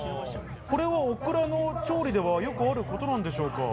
これはオクラの調理ではよくあることなんでしょうか？